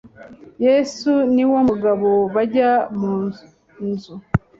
Yesu n Uwo mugabo bajya mu nzu